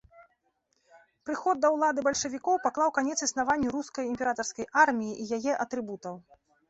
Прыход да ўлады бальшавікоў паклаў канец існаванню рускай імператарскай арміі і яе атрыбутаў.